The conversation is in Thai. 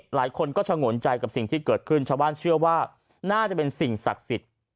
หลายคนก็ชะงนใจกับสิ่งที่เกิดขึ้นชาวบ้านเชื่อว่าน่าจะเป็นสิ่งศักดิ์สิทธิ์